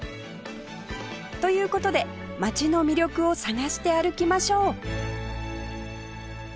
という事で街の魅力を探して歩きましょう